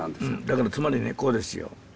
だからつまりねこうですよ。